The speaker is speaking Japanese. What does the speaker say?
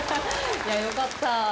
いやよかった！